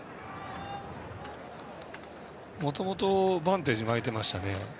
もともとバンテージを巻いてましたね。